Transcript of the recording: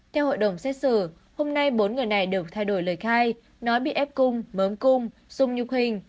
theo hội đồng xét xử hôm nay bốn người này được thay đổi lời khai nói bị ép cung mớm cung dung nhục hình